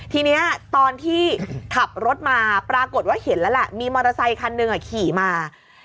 ทีนี้ตอนที่ขับรถมาปรากฏว่าเห็นแล้วแหละมีมอเตอร์ไซคันหนึ่งขี่มา